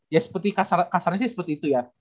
ya seperti kasarnya sih seperti itu ya